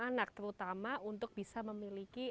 anak terutama untuk bisa memiliki